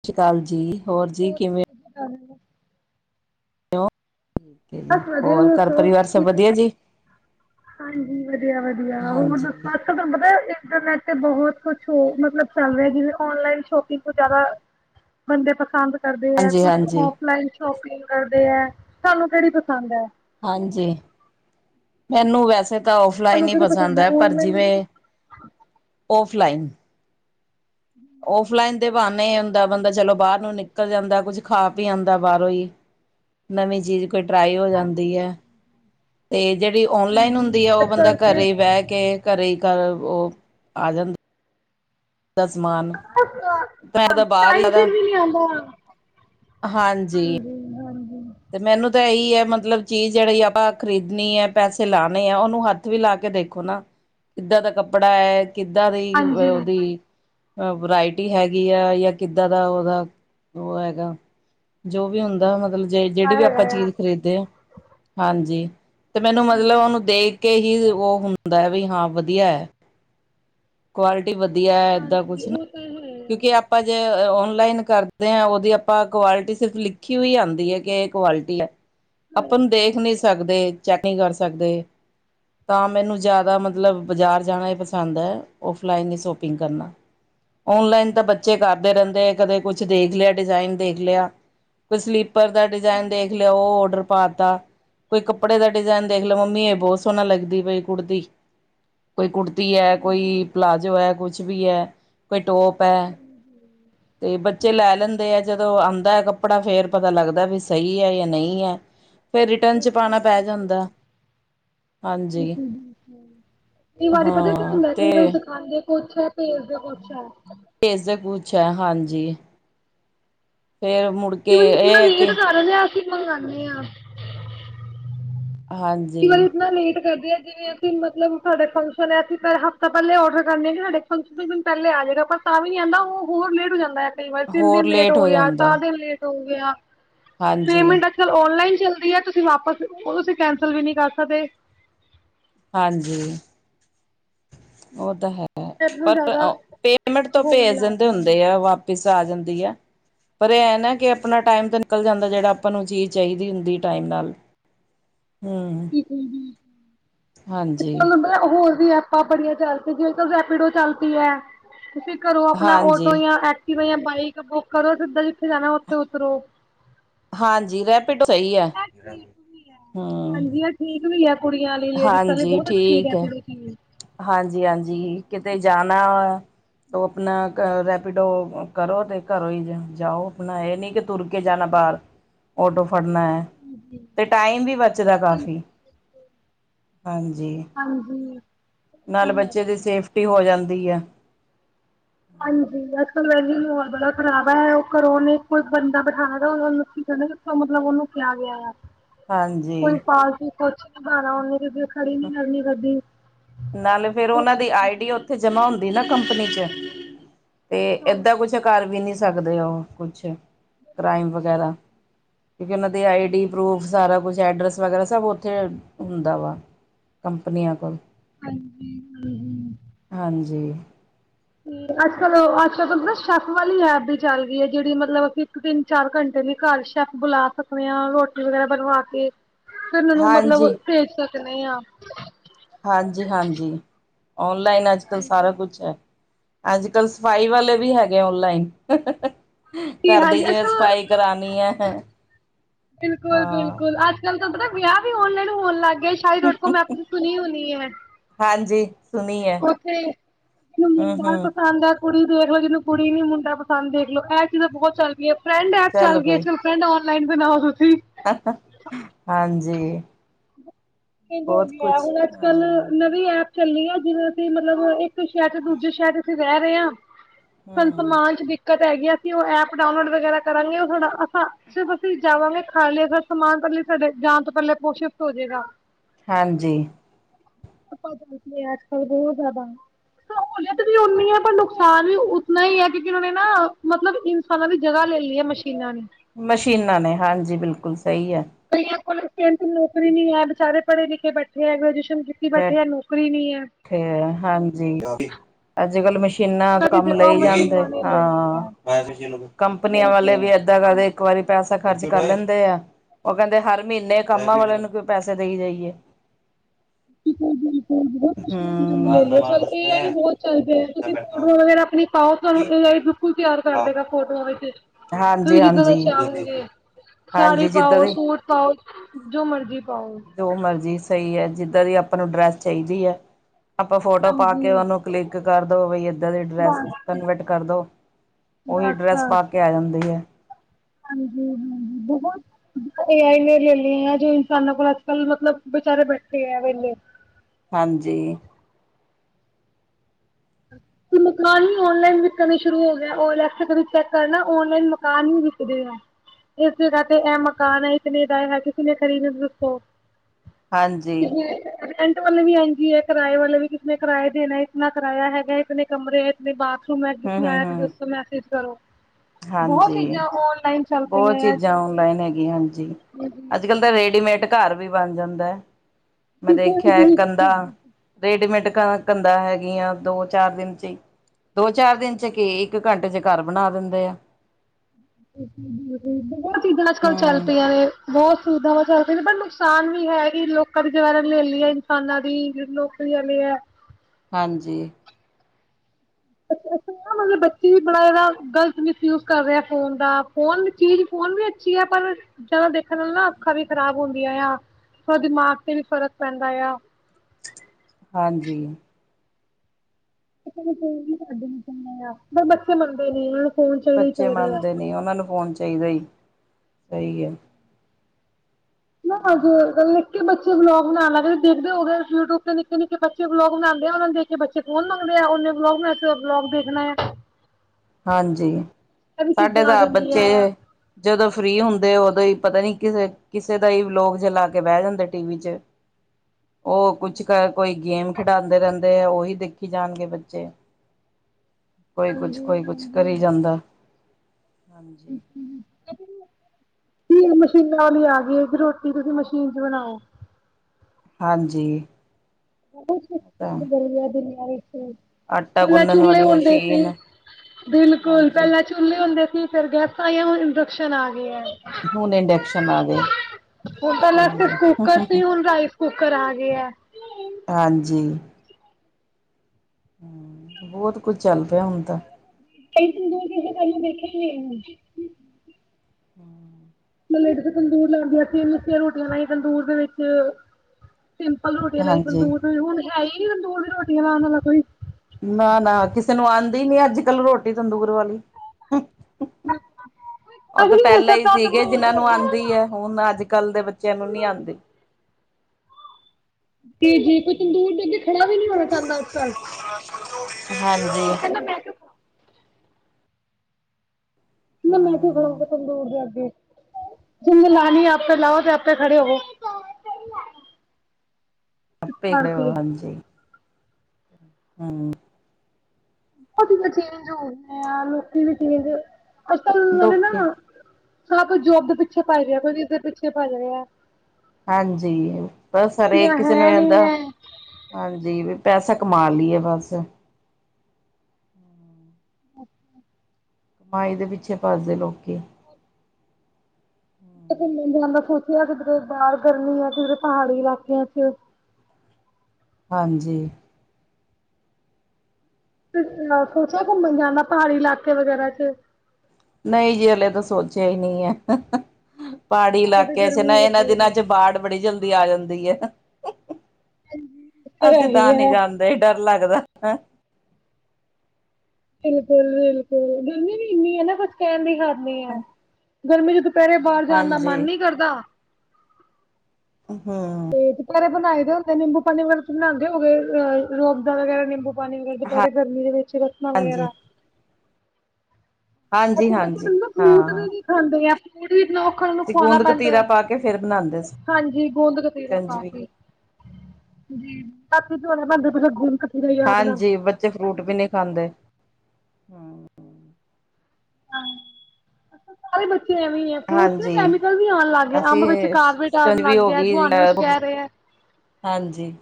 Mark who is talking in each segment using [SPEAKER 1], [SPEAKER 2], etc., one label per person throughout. [SPEAKER 1] ਸਤਿ ਸ਼੍ਰੀ ਅਕਾਲ ਜੀ ਹੋਰ ਜੀ ਕਿਵੇਂ
[SPEAKER 2] ਹਾਂ
[SPEAKER 1] ਜ
[SPEAKER 2] ਬਸ ਵਧੀਆ ਤੁਸੀਂ
[SPEAKER 1] ਹੋਰ ਘਰ
[SPEAKER 2] ਦੱਸੋ
[SPEAKER 1] ਪਰਿਵਾਰ ਸਭ
[SPEAKER 2] ਕੀ
[SPEAKER 1] ਵਧੀਆ ਜੀ
[SPEAKER 2] ਹਾਂਜੀ ਵਧੀਆ ਵਧੀਆ ਹੋਰ
[SPEAKER 1] ਹਾਂਜੀ,
[SPEAKER 2] ਦੱਸੋ? ਤੁਹਾਨੂੰ ਪਤਾ ਇੰਟਰਨੈਟ ਤੇ ਬਹੁਤ ਕੁਛ ਹੋ ਮਤਲਬ ਚੱਲ ਰਿਹਾ ਜਿਵੇਂ ਔਨਲਾਈਨ ਸ਼ੋਪਿੰਗ ਤੋਂ ਜ਼ਿਆਦਾ ਬੰਦੇ ਪਸੰਦ ਕਰਦੇ ਹੈ
[SPEAKER 1] ਹਾਂਜੀ,
[SPEAKER 2] ਕੁਛ
[SPEAKER 1] ਹਾਂਜੀ,
[SPEAKER 2] ਫਲਾਈਨ ਸ਼ੋਪਿੰਗ ਕਰਦੇ ਹੈ ਸਾਨੂੰ ਕਿਹੜੀ ਪਸੰਦ ਹੈ।
[SPEAKER 1] ਹਾਂਜੀ ਮੈਨੂੰ ਵੈਸੇ ਤਾਂ ਔਫਲਾਈਨ
[SPEAKER 2] ਤੁਹਾਨੂੰ
[SPEAKER 1] ਹੀ
[SPEAKER 2] ਕਿਹੜੀ
[SPEAKER 1] ਪਸੰਦ ਹੈ ਪਰ
[SPEAKER 2] ਔਨਲਾਈਨ
[SPEAKER 1] ਜਿਵੇਂ ਔਫਲਾਈਨ। ਔਫਲਾਈਨ ਦੇ ਬਹਾਨੇ ਹੁੰਦਾ ਬੰਦਾ ਚਲੋ ਬਾਹਰ ਨੂੰ ਨਿਕਲ ਜਾਂਦਾ ਕੁਛ ਖਾ ਪੀ ਆਂਦਾ ਬਾਹਰੋਂ ਹੀ ਨਵੀਂ ਚੀਜ਼ ਕੋਈ ਟਰਾਈ ਹੋ ਜਾਂਦੀ ਹੈ।
[SPEAKER 2] ਹਾਂਜੀ
[SPEAKER 1] ਤੇ ਜਿਹੜੀ ਔਨਲਾਈਨ ਹੁੰਦੀ ਆ ਉਹ ਬੰਦਾ
[SPEAKER 2] ਅਸਲ ਤੇ
[SPEAKER 1] ਘਰੇ ਬਹਿ ਕੇ ਘਰੇ ਘ ਉਹ ਆ ਜਾਂਦਾ ਤਜ਼ਮਾਨ
[SPEAKER 2] ਹ ਟੈਮ ਸਿਰ ਵੀ ਨ ਆਉਂਦਾ ਹਾਂਜੀ ਹਾਂਜੀ [unintelligible]
[SPEAKER 1] ਤੇ ਮੈਨੂੰ ਤਾਂ ਇਹੀ ਹੈ ਮਤਲਬ ਚੀਜ਼ ਜਿਹੜੀ ਆਪਾਂ ਖਰੀਦਣੀ ਹੈ ਪੈਸੇ ਲਾਉਣੇ ਆ ਉਹਨੂੰ ਹੱਥ ਹੱਥ ਵੀ ਲਾ ਕੇ ਦੇਖੋ ਨਾ ਕਿੱਦਾਂ ਦਾ ਕੱਪੜਾ ਹੈ ਕਿੱਦਾਂ ਦੀ
[SPEAKER 2] ਹਾਂਜੀ
[SPEAKER 1] ਉਹਦੀ ਵਰਾਇਟੀ ਹੈਗੀ ਆ ਜਾਂ ਕਿੱਦਾਂ ਦਾ ਉਹਦਾ ਉਹ ਹੈਗਾ। ਜੋ ਵੀ ਹੁੰਦਾ ਮਤਲਬ ਜੇ
[SPEAKER 2] ਆ
[SPEAKER 1] ਜਿਹੜੀ ਵੀ
[SPEAKER 2] ਹੈਗਾ
[SPEAKER 1] ਆਪਾਂ
[SPEAKER 2] ਆ
[SPEAKER 1] ਚੀਜ਼ ਖਰੀਦੇ ਹਾਂ ਹਾਂਜੀ ਅਤੇ ਮੈਨੂੰ ਮਤਲਬ ਉਹਨੂੰ
[SPEAKER 2] ਹਾਂਜੀ,
[SPEAKER 1] ਦੇਖ ਕੇ ਹੀ ਉਹ ਹੁੰਦਾ ਹੈ ਵੀ ਹਾਂ ਵਧੀਆ ਹੈ। ਕੁਆਲਿਟੀ ਵਧੀਆ ਹੈ ਇਦਾਂ
[SPEAKER 2] ਹਾਂਜੀ
[SPEAKER 1] ਕੁਛ ਨਾ
[SPEAKER 2] ਉਹ ਤਾਂ ਹੈ ਆ
[SPEAKER 1] ਕਿਉਂਕਿ ਆਪ ਆਪ ਜੇ ਓਨਲਾਈਨ ਕਰਦੇ ਹ ਉਹਦੀ ਆਪਾਂ ਕੁਆਲਿਟੀ ਸਿਰਫ ਲਿਖੀ ਹੋਈ ਆਂਦੀ ਹੈ ਕਿ ਇਹ ਕੁਆਲਿਟੀ ਆ ਆਪਾਂ ਨੂੰ
[SPEAKER 2] ਹਾਂਜੀ
[SPEAKER 1] ਦੇਖ ਨਹੀਂ ਸਕਦੇ। ਚੈਕਿੰਗ ਨੀ ਕਰ ਸਕਦੇ ਤਾਂ ਮੈਨੂੰ ਜ਼ਿਆਦਾ ਮਤਲਬ ਬਜ਼ਾਰ ਜਾਣਾ ਹੀ ਪਸੰਦ ਹੈ। ਔਫਲਾਈਨ ਹੀ ਸ਼ੋਪਿੰਗ ਕਰਨਾ ਔਨਲਾਈਨ ਤਾਂ ਬੱਚ ਬੱਚੇ ਕਰਦੇ ਰਹਿੰਦੇ ਕਦੇ ਕੁਛ ਦੇਖ ਲਿਆ ਡਿਜ਼ਾਇਨ ਦੇਖ ਲਿਆ। ਕੋਈ ਸਲੀਪਰ ਦਾ ਡਿਜਾਇਨ ਦੇਖ ਲਿਆ ਉਹ ਔਡਰ ਪਾਤਾ ਕੋਈ ਕੱਪੜੇ ਦਾ ਡਿਜ਼ਾਇਨ ਦੇਖ ਲਓ ਮੰਮੀ ਇਹ ਬਹੁਤ ਸੋਹਣਾ ਲੱਗਦੀ ਪਈ ਕੁੜਤੀ ਕੋਈ ਕੁੜਤੀ ਹੈ ਕੋਈ ਪਲਾਜ਼ੋ ਹੈ ਕੁਛ ਵੀ ਹੈ ਕੋਈ ਟੋਪ
[SPEAKER 2] ਹਾਂਜੀ
[SPEAKER 1] ਤੇ ਬੱਚੇ ਲੈ ਲੈਂਦੇ ਹੈ ਜਦੋਂ ਆਉਂਦਾ ਹੈ ਕੱ ਕੱਪੜਾ ਫੇਿਰ ਪਤਾ ਲੱਗਦਾ ਵੀ ਸਹੀ ਹੈ ਜਾਂ ਨਹੀਂ ਹੈ। ਫੇਿਰ ਰਿਟਰਨ ਚ
[SPEAKER 2] ਬਿਲਕੁਲ ਬਿਲਕੁਲ
[SPEAKER 1] ਪਾਉਣਾ ਪੈ ਜਾਂਦਾ। ਹਾਂਜੀ
[SPEAKER 2] ਕ ਇਹ ਬਾਰੀ ਪਤਾ ਕਿ
[SPEAKER 1] ਹਾਂ
[SPEAKER 2] ਹੋਂਦਾ
[SPEAKER 1] ਤੇ
[SPEAKER 2] ਕਈ ਵਾਰੀ ਦਿਖਾਂਂਦੇ ਕੁਛ ਭੇਜਦੇ ਕੁਛ ਹੈ।
[SPEAKER 1] ਭੇਜਦੇ ਕੁਛ ਹੈ ਹਾਂਜੀ ਫੇਰ ਮੁੜ
[SPEAKER 2] ਕਿ ਮਤਲਬ ਇੰਨਾ ਲੇਟ ਕਰ ਲਿਆ ਅਸੀਂ ਮੰਗਵਾਉਦੇ ਹਾਂ ਵਾਰੀ
[SPEAKER 1] ਹਾਂਜੀ
[SPEAKER 2] ਇਤਨਾ ਲੇਟ ਕਰਦੇ ਆ ਜਿਵੇਂ ਮਤਲਬ ਸਾਡੇ ਫੰਕਸ਼ਨ ਹੈ ਅਸੀਂ ਹਫ਼ਤਾ ਪਹਿਲੇ ਓਡਰ ਕਰਨੇ ਆਗੇ ਸਾਡੇ ਫੰਕਸ਼ਨ ਦ ਦਿਨ ਪਹਿਲੇ ਆ ਜੇਗਾ ਤਾਂ ਵੀ ਨਹੀਂ ਆਉਂਦਾ ਉਹ ਹੋਰ ਲੇਟ ਹੋ ਜਾਂਦਾ ਹੈ ਕਈ ਵਾਰ ਤਿੰਨ ਦਿਨ ਲੇਟ ਹੋ ਗਿਆ ਚਾਰ ਦਿਨ ਲੇਟ ਹੋ ਗਿਆ
[SPEAKER 1] ਹਾਂਜੀ
[SPEAKER 2] ਪੇਮੈਂਟ ਅੱਜ ਔਨਲਾਈਨ ਚੱਲਦੀ ਹੈ ਤੁਸੀਂ ਵਾਪਸ ਤੁਸੀਂ ਕੈਂਸਲ ਵੀ ਨਹੀਂ ਕਰ ਸਕਦੇ
[SPEAKER 1] ਹਾਂਜੀ ਉਹ ਤਾਂ ਹੈ
[SPEAKER 2] ਇਦਾਂ
[SPEAKER 1] ਪਰ
[SPEAKER 2] ਜ਼ਿਆਦਾ
[SPEAKER 1] ਪੇਮੈਂਟ ਤੋਂ
[SPEAKER 2] ਹੋਣ
[SPEAKER 1] ਭੇਜ
[SPEAKER 2] ਲੱਗ
[SPEAKER 1] ਦਿੰਦੇ ਹੁੰਦੇ ਆ ਵਾਪ ਪਿਸ ਆ ਜਾਂਦੀ ਏ ਪਰ ਇਹ ਐ ਨਾ ਕਿ ਆਪਣਾ ਟਾਈਮ ਤਾਂ ਨਿਕਲ ਜਾਂਦਾ ਜਿਹੜਾ ਆਪਾਂ ਨੂੰ ਚੀਜ਼ ਚਾਹੀਦੀ ਹੁੰਦੀ ਟਾਈਮ ਨਾਲ ਹਮ
[SPEAKER 2] [unintelligible]
[SPEAKER 1] ਹਾਂਜੀ
[SPEAKER 2] ਹੋਰ ਵੀ ਐਪਾਂ ਬੜੀਆਂ ਚੱਲਪੀਆ ਤਾਂ ਰੈਪੀਡੋ ਚੱਲਦੀ ਐ ਤੁਸੀਂ ਘਰੋਂ ਆਪਣਾ
[SPEAKER 1] ਹਾਂਜੀ
[SPEAKER 2] ਆਟੋ ਜਾਂ ਕਿਵੇਂ ਬਾਈਕ ਬੁੱਕ ਕਰੋ ਜਿੱਦਾਂ ਜਿੱਥੇ ਜਾਣਾ ਉੱਥੇ ਉਤਰੋ
[SPEAKER 1] ਹਾਂਜੀ ਰੈਪਿਡੋ ਸਹੀ ਆ
[SPEAKER 2] ਇਹ ਠੀਕ ਵੀ ਹੈ।
[SPEAKER 1] ਹੂੰ
[SPEAKER 2] ਹਾਂਜੀ ਇਹ ਠੀਕ [inaudible]
[SPEAKER 1] ਠੀਕ ਹੈ ਹਾਂਜੀ ਹਾਂਜੀ ਕਿਤੇ ਜਾਣਾ ਵਾ ਉਹ ਆਪਣਾ ਅ ਰੈਪੀਡੋ ਕਰੋ ਤੇ ਘਰੋਂ ਹੀ ਜਾਓ ਆਪਣਾ ਇਹ ਨੀ ਕਿ ਤੁਰ ਕੇ ਜਾਣਾ ਬਾਹਰ ਔਟੋ ਫੜਨਾ ਹੈ ਅਤੇ ਟਾਈਮ ਵੀ ਬਚਦਾ ਕਾਫ਼ੀ ਹਾਂਜੀ
[SPEAKER 2] ਹਾਂਜੀ।
[SPEAKER 1] ਨਾਲੇ ਬੱਚੇ ਦੀ ਸੇਫਟੀ ਹੋ ਜਾਂਦੀ ਆ
[SPEAKER 2] ਹਾਂਜੀ ਅੱਜਕੱਲ ਵੈਸੇ ਮਾਹੌਲ ਬੜਾ ਖ਼ਰਾਬ ਐ ਉਹ ਘਰੋਂ ਨੇ ਕੋਈ ਬੰਦਾ ਬਿਠਾ ਉਹ ਕੀ ਕਹਿੰਦਾ ਮਤਲਬ ਉਹਨੂੰ ਕਿਹਾ ਗਿਆ ਆ ਕੋਈ
[SPEAKER 1] ਹਾਂਜੀ
[SPEAKER 2] ਫਾਲਤੂ ਕੁਛ ਨ ਬਉਣਾ ਉਹਨੇ ਖੜੀ ਨੀ [inaudible]
[SPEAKER 1] ਥੇ ਜਮਾ ਹੁੰਦੀ ਨਾ ਕੰਪਨੀ ਚ ਤੇ ਏਦਾਂ ਕੁਛ ਕਰ ਵੀ ਨੀ ਸਕਦੇ ਉਹ ਕੁਛ ਕ੍ਰਾਈਮ ਵਗੈਰਾ ਕਿਉਂਕਿ ਉਹਨਾਂ ਆਈ ਡੀ ਪਰੂਫ਼ ਸਾਰਾ ਕੁਛ ਐਡਰਸ ਵਗੈਰਾ ਸਭ ਉੱਥੇ ਹੁੰਦਾ ਵਾ ਕੰਪਨੀਆਂ ਕੋਲ
[SPEAKER 2] ਹਾਂਜੀ ਹੂੰ ਹੂੰ
[SPEAKER 1] ਹਾਂਜੀ
[SPEAKER 2] ਤੇ ਅੱਜ ਕਲ ਅੱਜ ਕੱਲ ਤਾਂ ਸ਼ੈੱਫ ਵਾਲੀ ਐਪ ਵੀ ਚੱਲ ਗਈ ਹੈ, ਜਿਹੜੀ ਮਤਲਬ ਅਸੀਂ ਇੱਕ ਦਿਨ ਚਾਰ ਘੰਟੇ ਦੀ ਘਰ ਸ਼ੈੱਫ ਬੁਲਾ ਸਕਦੇ ਹਾਂ, ਰੋਟੀ ਵਗੈਰਾ ਬਣਵਾ ਕੇ ਫਿਰ ਮੈਨੂੰ ਮਤਲਬ
[SPEAKER 1] ਹਾਂਜੀ
[SPEAKER 2] ਭੇਜ ਸਕਦੇ ਹਾਂ।
[SPEAKER 1] ਹਾਂਜੀ- ਹਾਂਜੀ ਔਨਲਾਈਨ ਅੱਜ ਕੱਲ੍ਹ ਸਾਰਾ ਕੁਛ ਹੈ। ਅੱਜ ਕੱਲ੍ਹ ਸਫ਼ਾਈ ਵਾਲੇ ਵੀ ਹੈਗੇ ਓਨਲਾਈਨ,
[SPEAKER 2] ਜੀ
[SPEAKER 1] ਕਰਦੇ
[SPEAKER 2] ਹਾਂਜੀ
[SPEAKER 1] ਜਿਵੇਂ
[SPEAKER 2] ਅੱਜ-ਕੱਲ
[SPEAKER 1] ਸਫਾਈ ਕਰਾਣੀ ਏ।
[SPEAKER 2] ਬਿਲਕੁਲ -ਬਿਲਕੁਲ ਅੱਜ ਕੱਲ ਤਾਂ ਪਤਾ ਵਿਆਹ ਵੀ ਔਨਲਾਈਨ ਹੋਣ ਲੱਗ ਗਏ। [inaudible] ਸੁਣੀ ਹਨੀ ਹੈ
[SPEAKER 1] ਹਾਂਜੀ ਸੁਣੀ ਹੈ
[SPEAKER 2] ਉੱਥੇ
[SPEAKER 1] ਹਮ
[SPEAKER 2] [inaudible]
[SPEAKER 1] ਹਮ
[SPEAKER 2] ਪਸੰਦ ਆ ਕੁੜੀ ਦੇਖਲਓ ਜਿਨੂੰ ਕੁੜੀ ਨੂੰ ਮੁੰਡਾ ਪਸੰਦ ਦੇਖਲੋ ਇਹ ਚੀਜ਼ਾਂ ਬਹੁਤ ਚੱਲ ਗਈਆਂ ਫਰੈਂਡ ਐਪ ਚੱਲ ਗਈ ਅੱਜੱ ਕਲ੍ਹ [inaudible] ਔਨਲਾਈਨ ਬਣਾਓ ਤੁਸੀਂ
[SPEAKER 1] ਹਾਂਜੀ
[SPEAKER 2] ਚੇਜ ਹੋ
[SPEAKER 1] ਬਹੁਤ
[SPEAKER 2] ਗਈ
[SPEAKER 1] ਕੁਛ
[SPEAKER 2] ਹੁਣ ਅੱਜ ਕੱਲ੍ਹ
[SPEAKER 1] ਹਾਂ
[SPEAKER 2] ਨਵੀਂ ਐਪ ਚੱਲਣੀ ਹੈ ਜਿਵੇਂ ਅਸੀਂ ਮਤਲਬ ਇੱਕ ਸ਼ਹਿਰ ਚ ਦੂਜੇ ਸ਼ਹਿਰ ਚ ਅਸੀਂ ਰਹਿ ਰਹੇ ਆ ਸਾਨੂੰ
[SPEAKER 1] ਹਮ
[SPEAKER 2] ਸਮਾਨ ਚ ਦਿੱਕਤ ਹੈਗੀ ਅਸੀਂ ਉਹ ਐਪ ਡਾਊਨਲੋਡ ਵਗੈਰਾ ਕਰਾਂਗੇ ਉਹਡਾ ਅ ਸਿਰਫ ਅਸੀਂ ਜਾਵਾਂਗੇ ਖਾਲੀ ਹੱਥ, ਸਮਾਨ ਪਹਿਲਾ ਸਾਡੇ ਜਾਣ ਤੋਂ ਪਹਿਲੇ ਸ਼ਿਫਟ ਹੋ ਜੇਗਾ
[SPEAKER 1] ਹਾਂਜੀ
[SPEAKER 2] [inaudible] ਆਜ ਕੱਲ ਬਹੁਤ ਜਾਦਾ ਸਹੂਲੀਅਤ ਵੀ ਉਨੀ ਹੈ ਪਰ ਨੁਕਸਾਨ ਵੀ ਉਤਨਾ ਹੀ ਹੈ, ਕਿਉਂਕਿ ਉਹ ਨੇ ਨਾ ਮਤਲਬ [unintelligible] ਦੀ ਜਗ੍ਹਾ ਲੈ ਲਈ ਆ ਮਸ਼ੀਨਾਂ ਨੇ
[SPEAKER 1] ਮਸ਼ੀਨਾਂ ਨੇ ਹਾਂਜੀ, ਬਿਲਕੁਲ ਸਹੀ ਆ
[SPEAKER 2] ਕਈਆਂ ਕੋਲ ਨੌਕਰੀ ਨੀ ਹੈ ਵਿਚਾਰੇ ਪੜ੍ਹੇ ਲਿਖੇ ਬੈਠੇ ਏ, ਗ੍ਰੈਜੂਏਸ਼ਨ ਬੈਠੇ ਆ ਨੌਕਰੀ ਨੀ ਐ।
[SPEAKER 1] ਤੇ ਹਾਂਜੀ ਅੱਜ ਕੱਲ ਮਸ਼ੀਨਾਂ ਤੋਂ
[SPEAKER 2] ਉਹਨਾਂ ਦੀ
[SPEAKER 1] ਕੰਮ
[SPEAKER 2] ਜਗ੍ਹਾ
[SPEAKER 1] ਲਈ ਜਾਂਦੇ,
[SPEAKER 2] ਮਸ਼ੀਨਾਂ ਨੇ ਲੈ ਲਈ ਹੈ
[SPEAKER 1] ਹਾਂ ਕੰਪਨੀਆਂ ਵਾਲੇ
[SPEAKER 2] ਬਿਲਕੁਲ
[SPEAKER 1] ਵੀ ਏਦਾਂ ਕਰਦੇ ਇੱਕੋ ਵਾਰੀ ਪੈਸਾ ਖਰਚ ਕਰ ਲੈਂਦੇ ਆ, ਉਹ ਕਹਿੰਦੇ ਹਰ ਮੀਂਹਨੇ ਕੰਮਾਂ ਵਾਲਿਆਂ ਨੂੰ ਕਿ ਪੈਸੇ ਦਈ ਜਾਈਏ।
[SPEAKER 2] ਬਿਲਕੁਲ ਬਿਲਕੁਲ ਬਹੁਤ ਕੁਛ
[SPEAKER 1] ਹਮ
[SPEAKER 2] ਮਿਲ, ਚੱਲ ਇਹ ਆ ਵੀ ਬਹੁਤ [unintelligible] [unintelligible] ਚੱਲਦੇ ਆ ਤੁਸੀਂ ਫੋਟੋਆਂ ਵਗੈਰਾ ਆਪਣੀ ਪਾਓ ਤੁਹਾਨੂੰ ਏ- ਆਯੀ ਬਿਲਕੁਲ ਤਿਆਰ ਕਰ ਦੇਗਾ ਫੋਟੋਆਂ ਵਿੱਚ।
[SPEAKER 1] ਹਾਂਜੀ
[SPEAKER 2] ਤੁਸੀਂ ਜਿਦਾ ਦਾ
[SPEAKER 1] ਹਾਂਜੀ
[SPEAKER 2] ਚਾਹੋਂਗੇ। ਸਾਰੀ
[SPEAKER 1] ਹਾਂਜੀ ਜਿੱਦਾਂ
[SPEAKER 2] ਪਾਓ,
[SPEAKER 1] ਦੀ
[SPEAKER 2] ਸੂਟ ਪਾਓ, ਜੋ ਮਰਜ਼ੀ ਪਾਓ।
[SPEAKER 1] ਜੋ ਮਰਜ਼ੀ ਸਈ ਐ, ਜਿੱਦਾਂ ਦੀ ਆਪਾਂ ਨੂੰ ਡਰੈੱਸ ਚਈਦੀ ਐ। ਆਪਾਂ ਫੋਟੋ ਪਾ ਕੇ
[SPEAKER 2] ਹਾਂਜੀ
[SPEAKER 1] ਉਹਨੂੰ ਕਲਿੱਕ ਕਰਦੋ, ਬਈ ਏਦਾਂ ਦੀ ਅਡਰੈਸ
[SPEAKER 2] ਬਸ
[SPEAKER 1] ਕਨਵਰਟ ਕਰਦੋ। ਓਈ
[SPEAKER 2] ਬਸ
[SPEAKER 1] ਡਰੈਸ ਪਾ
[SPEAKER 2] ਬਸ
[SPEAKER 1] ਕੇ ਆ ਜਾਂਦੀ ਐ।
[SPEAKER 2] ਹਾਂਜੀ ਹਾਂ, ਬਹੁਤ ਏ ਆਯੀ ਨੇ ਲੇ ਲਈ ਏਂ, ਜੋ ਇਨਸਾਨਾਂ ਕੋਲ ਆਜ ਕੱਲ ਮਤਲਬ ਬੇਚਾਰੇ ਬੈਠੇ ਐ ਵੇਹਲੇ
[SPEAKER 1] ਹਾਂਜੀ।
[SPEAKER 2] ਹੂੰ [unintelligible] ਮਕਾਨ ਹੀ ਔਨਲਾਈਨ ਵਿਕਣੇ ਸ਼ੁਰੂ ਹੋ ਗਿਆ, ਓਲੇਕ੍ਸ ਕਦੇ ਚੈੱਕ ਕਰਨਾ ਔਨਲਾਈਨ ਮਕਾਨ ਵੀ ਵਿਕਦੇ ਐ। ਇਸ ਜਗ੍ਹਾ ਤੇ ਐ ਮਕਾਨ ਏ, ਇਤਨੇ ਦਾ ਹੈ, ਕਿਸੇ ਨੇ ਖਰੀਦਨਾ ਦੱਸੋ?
[SPEAKER 1] ਹਾਂਜੀ
[SPEAKER 2] ਰੈਂਟ ਵਾਲੇ ਵੀ ਇੰਜੀ ਐ ਕਿਰਾਏ ਵਾਲੇ ਵੀ ਕਿਸਨੇ ਕਿਰਾਏ ਦੇਣਾ, ਇਤਨਾ ਆਇਆ ਹੈਗਾ, ਇਤਨੇ ਕਮਰੇ, ਇਤਨੇ ਬਾਥਰੂਮ ਐ
[SPEAKER 1] ਹਮ
[SPEAKER 2] ਤੁਸੀ
[SPEAKER 1] ਹਮ
[SPEAKER 2] ਆਇਆ ਤੁ
[SPEAKER 1] ਹਮ
[SPEAKER 2] ਉਸ ਨੂੰ ਮੈਸੇਜ ਕਰੋ।
[SPEAKER 1] ਹਾਂਜੀ, ਬਹੁਤ ਚੀਜ਼ਾਂ ਓਨਲਾਈਨ ਹੈਗੀਆਂ ਹਾਂਜੀ। ਅੱਜ ਹੁਣ ਤੇ ਰੇਡੀਮੇਟ ਘਰ ਵੀ ਬਣ ਜਾਂਦੈ। ਮੈਂ ਦੇਖਿਆ ਕੰਧਾਂ, ਰੇਡੀਮੇਟ ਕੰਧਾਂ ਹੈਗੀਆਂ ਦੋ ਚਾਰ ਦਿਨ ਚ ਹੀ ਦੋ-ਚਾਰ ਦਿਨ ਚ ਕੀ? ਇੱਕ ਘੰਟੇ ਚ ਘਰ ਬਣਾ ਦਿੰਦੇ ਆ।
[SPEAKER 2] ਬਹੁਤ ਚੀਜ਼ਾਂ ਅੱਜ-ਕੱਲ ਚੱਲ
[SPEAKER 1] ਹਮ।
[SPEAKER 2] ਪਈਆਂ ਨੇ ਬਹੁਤ ਸੁਵਿਧਾਵਾਂ ਚੱਲਦੀ ਨੇ ਪਰ ਨੁਕਸਾਨ ਵੀ ਹੈਗੀ ਲੋਕਾਂ ਦੀ ਜਾਨ ਲੇਲੀ ਹੈ, ਇਨਸਾਨਾਂ ਦੀ ਲੋਕ ੱਲ [unintelligible]
[SPEAKER 1] ਹਾਂਜੀ।
[SPEAKER 2] ਤੁਸੀ [unintelligible] ਮਤਲਬ ਬੱਚੇ ਵੀ ਬੜਾ ਜਦਾ ਗ਼ਲਤ ਮਿਸਯੂਜ ਕਰ ਰਹੇ ਆ ਫੋਨ ਦਾ, ਫੋਨ ਚੀਜ਼ ਫੋਨ ਵੀ ਅੱਛੀ ਐ ਪਰ ਜਿਆਦਾ ਦੇਖਣ ਨਾਲ ਨਾ ਅੱਖਾਂ ਵੀ ਖ਼ਰਾਬ ਹੁੰਦੀਆਂ ਯਾ, ਦਿਮਾਗ ਤੇ ਵੀ ਫ਼ਰਕ ਪੈਂਦਾ ਯਾ।
[SPEAKER 1] ਹਾਂਜੀ।
[SPEAKER 2] ਸਾਡੇ ਨ ਆ ਪਰ ਬੱਚੇ ਮੰਨਦੇ ਨ ਹ [unintelligible] [unintelligible]
[SPEAKER 1] ਬੱਚੇ ਮੰਨਦੇ ਨੀਂ ਉਹਨਾਂ ਨੂੰ ਫੋਨ ਚਈਦਾਈ, ਸਈ ਏ।
[SPEAKER 2] ਨਾ ਅ ਗ [unintelligible] ਬੱਚੇ ਵਲੋਗ ਬਣਾਉ ਲੈਂਦੇ ਤੁਸੀ ਦੇਖਦੇ ਹੋਵੋਗੇ, ਯੂਟਿਊਬ ਤੇ ਨਿੱਕੇ -ਨਿੱਕੇ ਬੱਚੇ ਵਲੋਗ ਬਣਾਂਦੇ, ਉਹਨਾਂ ਦੇਖ ਕਿ ਬੱਚੇ ਫੌਨ ਮੰਗਦੇ ਆ, ਉਹਨੇ ਵਲੋਗ ਬਣਾ ਕੇ ਓਹ ਵਲੋਗ ਦੇਖਣਾ ਯਾ।
[SPEAKER 1] ਹਾਂਜੀ, ਸਾਡੇ ਤਾਂ ਆਪ
[SPEAKER 2] ਜਾਂਦੀਆਂ ਆ
[SPEAKER 1] ਬੱਚੇ ਜਦੋਂ ਫ੍ਰਰੀ ਹੁੰਦੇ ਆ ਉਦੋਂ ਹੀ ਪਤਾ ਨੀ ਕਿਸੇ ਕਿਸੇ ਦਾ ਹੀ ਵਲੋਗ ਜਿਹਾ ਲਾ ਕੇ ਬਹਿ ਜਾਂਦੇ ਟੀਵੀ ਚ, ਉਹ ਕੁਛ ਕੋਈ ਗੇਮ ਖਿਡਾਂਦੇ ਰਹਿੰਦੇ ਆ, ਉਹੀ ਦੇਖੀ ਜਾਣਗੇ ਬੱਚੇ। ਕੋਈ ਕੁਛ,
[SPEAKER 2] ਹਾਂਜੀ
[SPEAKER 1] ਕੋਈ ਕੁਛ
[SPEAKER 2] ਹਾਂਜੀ
[SPEAKER 1] ਕਰੀ ਜਾਂਦਾ। ਜੀ [unintelligible]
[SPEAKER 2] ਮਸ਼ੀਨਾਂ ਵੀ ਆ ਗਈ, ਰੋਟੀ ਤੁਸੀਂ ਮਸ਼ੀਨ ਚ ਬਣਾਓ।
[SPEAKER 1] ਹਾਂਜੀ।
[SPEAKER 2] ਬ ਕੁਛ
[SPEAKER 1] ਤਾਂ
[SPEAKER 2] ਬ ਗਲ ਹੈ ਦੁਨੀਆਂ ਵਿੱਚ [unintelligible] [unintelligible]
[SPEAKER 1] ਆਟਾ
[SPEAKER 2] ਪੈਲਾਂ
[SPEAKER 1] ਗੁੰਨਣ
[SPEAKER 2] ਝੁਲੇ
[SPEAKER 1] ਵਾਲੀ
[SPEAKER 2] ਹੁੰਦੇ ਸੀ,
[SPEAKER 1] ਮਸ਼ੀਨ
[SPEAKER 2] ਬਿਲਕੁਲ
[SPEAKER 1] ਹਾਂਜੀ
[SPEAKER 2] ਪਹਿਲਾਂ ਚੁੱਲੇ ਹੁੰਦੇ ਸੀ, ਫੇਰ ਗੈਸਾਂ ਆਂਈਆਂ, ਹੁਣ ਇੰਡਕਸ਼ਨ ਆ ਗਏ ਆ।
[SPEAKER 1] ਹੁਣ ਇੰਡਕਸ਼ਨ ਆ ਗਏ
[SPEAKER 2] ਉਹ ਪਹਿਲ
[SPEAKER 1] ਸਹੀ ਹੈ।
[SPEAKER 2] ਕੁੱਕਰ ਨ ਹੁਣ ਰਾਈਸ [unintelligible] ਕੁੱਕਰ ਆ ਗੇ ਐ।
[SPEAKER 1] ਹਾਂਜੀ। ਹਮ, ਬੋਤ ਕੁਛ ਚੱਲ ਪਿਆ ਹੁਣ ਤਾਂ।
[SPEAKER 2] ਕ ਦਿਨ ਦੂੰ ਦੇਖ [unintelligible]
[SPEAKER 1] ਹੂੰ [unintelligible]
[SPEAKER 2] ਮਤਲਬ, ਜਥੋਂ ਤੰਦੂਰ ਲਾਂਇਆ ਸੀ, ਮਿੱਸੀਆਂ ਰੋਟੀਆਂ ਲਾਈਆਂ ਤੰਦੂਰ ਦੇ ਵਿੱਚ। ਸਿੰਪਲ ਰੋਟੀਆਂ ਲਾਈ
[SPEAKER 1] ਹਾਂਜੀ।
[SPEAKER 2] ਤੰਦੂੂਰ, ਹੁਣ ਐ ਈ ਨੀ ਤੰਦੂਰ ਦੀ ਰੋਟੀਆਂ ਲਾਣ ਵਾਲਾ ਕੋਈ।
[SPEAKER 1] ਨਾ-ਨਾ, ਕਿਸੇ ਨੂੰ ਆਂਦੀ ਨੀ ਅੱਜ-ਕੱਲ ਰ੍ਹੋਟੀ ਤੰਦੂਰ ਵਾਲੀ। ਓ
[SPEAKER 2] ਅਸੀਂ
[SPEAKER 1] ਤਾ‌
[SPEAKER 2] ਵੀ
[SPEAKER 1] ਪਹਿਲਾਂ
[SPEAKER 2] ਨਹੀਂ
[SPEAKER 1] ਹੀ ਸੀਗੇ,
[SPEAKER 2] ਤੰਦੂਰ
[SPEAKER 1] ਜਿਹਨਾਂ
[SPEAKER 2] ਦੇ
[SPEAKER 1] ਨੂੰ ਆਂਦੀ ਏ।
[SPEAKER 2] ਅੱਗੇ
[SPEAKER 1] ਹੁਨ, ਅੱਜ-ਕੱਲ ਦੇ ਬੱਚਿਆਂ ਨੂੰ ਨਹੀ ਆਂਦੀ।
[SPEAKER 2] ਤੇ, ਜੇ ਕੋਈ ਤੰਦੂਰ ਦੇ ਅੱਗੇ ਖੜਾ ਵੀ ਨੀ ਹੋਣਾ ਚਾਂਹਦਾ ਅੱਜ-ਕੱਲ,
[SPEAKER 1] ਹਾਂਜੀ
[SPEAKER 2] ਓ ਕਹਿੰਦਾ ਮੈਂ, ਕਿਂਓ ''ਮੈਂ ਤੋ ਖਾਕੇ,
[SPEAKER 1] ਹੂੰ
[SPEAKER 2] ਤੰਦੂਰ ਦੇ ਅੱਗੇ ਜਿੰਨੁ ਲਾਣੀ ਆਪੇ ਲਾਓ, ਤੇ ਆਪੇ ਖੜੇ ਹੋਵੋ। [unintelligible] [unintelligible]
[SPEAKER 1] ਵੇਖ ਰਹੇ ਹੋ, ਹਾਂਜੀ। ਹੂੰ
[SPEAKER 2] ਬਹੁਤ ਚੀਜ਼ਾਂ ਚੇਂਜ ਹੋਗੀਆਂ, ਲੋਕੀ ਵੀ ਚੇਂਜ ਹੋਏ, ਅੱਜ-ਕੱਲ ਨਾਲੇ ਨਾ
[SPEAKER 1] ਲੋਕੀ
[SPEAKER 2] ਸਭ ਜੌਬ ਦੇ ਪਿੱਛੇ ਭੱਜ ਰਿਹਾ, ਕੋਈ ਇਸਦੇ ਪਿੱਛੇ ਭੱਜ ਰਿਹਾ।
[SPEAKER 1] ਹਾਂਜੀ। ਬਸ ਹਰੇਕ
[SPEAKER 2] ਕੁੜੀਆਂ
[SPEAKER 1] ਕਿਸੇ ਨੁੰ
[SPEAKER 2] ਹੈ
[SPEAKER 1] ਹੁੰਦਾ
[SPEAKER 2] ਨੀ ਹੈ।
[SPEAKER 1] ਹਾਂਜੀ, ਵੀ ਪੈਸਾ ਕਮਾ ਲੀਏ, ਬਸ। ਕਮਾਈ ਦੇ ਪਿੱਛੇ ਭੱਜਦੇ ਲੋਕੀ।
[SPEAKER 2] ਘੁੰਮਣ ਜਾਣ ਦਾ ਸੋਚਿਆ, ਕਿਧਰੇ ਬਾਹਰ ਗਰਮੀ ਆ ਕਿਧਰੇ ਪਹਾੜੀ ਇਲਾਕਿਆਂ'ਚ
[SPEAKER 1] ਹਾਂਜੀ।
[SPEAKER 2] ਤੁਸਾ‌ ਘੁੰਮਣ ਜਾਂਣਾ, ਪਹਾੜੀ ਇਲਾਕੇ ਵਗੈਰਾ'ਚ?
[SPEAKER 1] ਨਹੀਂ ਜੀ, ਹਲੇ ਤਾਂ ਸੋਚਿਆ ਹੀ ਨਹੀਂ ਐ। ਪਹਾੜੀ
[SPEAKER 2] ਹਾਲੇ ਤੇ
[SPEAKER 1] ਇਲਾਕਿਆਂ'ਚ ਨਾ,
[SPEAKER 2] ਗਰਮੀ
[SPEAKER 1] ਇਹਨਾਂ
[SPEAKER 2] ਬਥੇਰੀ ਹੈ।
[SPEAKER 1] ਦਿਨਾਂ'ਚ ਬਾੜ ਬੜੀ ਜਲਦੀ ਆ ਜਾਂਦੀ ਏ।
[SPEAKER 2] ਇਹ
[SPEAKER 1] ਅਸੀ
[SPEAKER 2] ਹੈ ਹੀ
[SPEAKER 1] ਤਾਂ ਨੀ
[SPEAKER 2] ਹੈ।
[SPEAKER 1] ਜਾਂਦੇ, ਡਰ ਲੱਗਦਾ।
[SPEAKER 2] ਬਿਲਕੁਲ-ਬਿਲਕੁਲ, ਗਰਮੀ ਵੀ ਇੰਨੀ ਹੈ ਨਾ ਕੁਛ ਕਹਿਨ ਦੀ ਹੱਦ ਨੀ ਹੈ, ਗਰਮੀ'ਚ ਦੁਪਹਿਰੇ ਬਾਹਰ ਜਾਣ ਦਾ ਮਨ
[SPEAKER 1] ਹਾਂਜੀ
[SPEAKER 2] ਨਹੀਂ ਕਰਦਾ।
[SPEAKER 1] ਹੂੰ
[SPEAKER 2] ਦੁਪਿਹਰੇ ਬਨਾਏਦੇ ਹੁੰਦੇ, ਨਿੰਬੂ ਪਾਨੀ, ਵਰ ਬਨਾਂਦੇ ਹੋਗੇ? ਹੋ ਅਹ ਰੁਅਬਜਾ਼ ਵਗੈਰਾ ਨਿੰਬੂ ਪਾਨੀ ਵਗੈਰਾ
[SPEAKER 1] ਹਾਂ
[SPEAKER 2] ਦੁਪਹਿਰੇ ਗਰਮੀ ਦੇ ਵਿੱਚ, ਰਸਨਾਂ
[SPEAKER 1] ਹਾਂਜੀ
[SPEAKER 2] ਵਗੈਰਾ।
[SPEAKER 1] ਹਾਂਜੀ-ਹਾਂਜੀ, ਹਾਂ।
[SPEAKER 2] ਹੁੰਦੀ ਐ, ਫੂਡ ਵੀ ਲੋਕਾਂ ਨੂੰ
[SPEAKER 1] ਅਸੀਂ
[SPEAKER 2] ਖੁਵਾਨਾ
[SPEAKER 1] ਗੂੰਦ
[SPEAKER 2] ਪੈਂਦਾ
[SPEAKER 1] ਕਤੀਰਾ
[SPEAKER 2] ਏ,
[SPEAKER 1] ਪਾ ਕੇ ਫੇਰ ਬਣਾਉਂਦੇ ਸੀ
[SPEAKER 2] ਹਾਂਜੀ, ਗੁੰਦ ਕ ਸਬਜੇ
[SPEAKER 1] ਕੰਜਵੀ
[SPEAKER 2] ਦਾ ਪਾਨੀ
[SPEAKER 1] ਹਾਂਜੀ ਬੱਚੇ ਫਰੂਟ ਵੀ ਨਹੀਂ ਖਾਂਦੇ, ਹੂੰ
[SPEAKER 2] ਹਾਂ, ਅੱਛਾ ਸਾਰੇ ਬੱਚੇ ਐਵੇਂ ਈ ਆ। ਫਰੂਟਸ ਨਾ
[SPEAKER 1] ਹਾਂਜੀ
[SPEAKER 2] ਕੈਮੀਕਲ ਵੀ ਆਣ ਲੱਗ ਗਏ, ਅੰਬ
[SPEAKER 1] ਅਸੀਂ
[SPEAKER 2] ਵਿੱਚ ਕਾਰਬੇਟ ਆਣ
[SPEAKER 1] ਸ਼ਿਕੰਜ ਵੀ
[SPEAKER 2] ਲੱਗ
[SPEAKER 1] ਹੋ
[SPEAKER 2] ਗਿਆ,
[SPEAKER 1] ਗਈ
[SPEAKER 2] ਦੁਹਾਣੇੇ ਵਿੱਚ ਕਹਿ ਰਹੇ ਐ।
[SPEAKER 1] ਹਾਂਜੀ।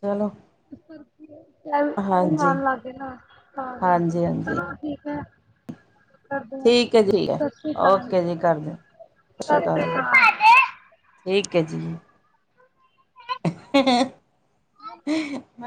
[SPEAKER 1] ਚਲੋ।
[SPEAKER 2] ਬਰਫੀਆ ਕੈਮੀਕਲ
[SPEAKER 1] ਹਾਂਜੀ।
[SPEAKER 2] ਆਣ ਲੱਗਗੇ, ਤਾਂ
[SPEAKER 1] ਹਾਂਜੀ,
[SPEAKER 2] ਕਰਕੇ,
[SPEAKER 1] ਹਾਂਜੀ
[SPEAKER 2] ਚਲੋ ਠੀਕ ਹੈ। ਕਰਦੇ ਹਾਂ
[SPEAKER 1] ਠੀਕ ਹੈ, ਠੀਕ ਹੈ,
[SPEAKER 2] ਸਤਿ ਸ਼੍ਰੀ ਅਕਾਲ
[SPEAKER 1] ਓਕੇ ਜੀ, ਕਰਦੇ ਆਂ।
[SPEAKER 2] ਸਤਿ ਸ੍ਰੀ ਅਕਾਲ।
[SPEAKER 1] ਠੀਕ ਹੈ ਜੀ। ਜੀ।